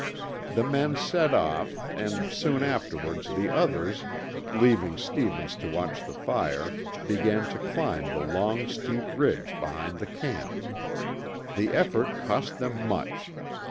The men set off and soon afterwards the others, leaving Stevens to watch the fire, began to climb the long steep ridge behind the camp. The effort cost them much.